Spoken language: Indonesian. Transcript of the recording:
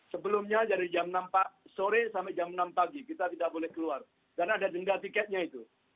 sebelumnya dari jam sore sampai jam enam pagi kita tidak boleh keluar karena ada denda tiketnya itu